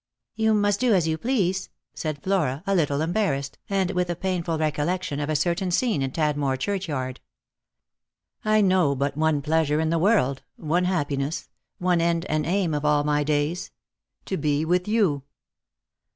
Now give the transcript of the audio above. " You must do as you please," said Flora, a little embarrassed, and with a painful recollection of a certain scene in Tadmor churchyard. " I know but one pleasure in the world, one happiness, one end and aim of all my days : to be with you.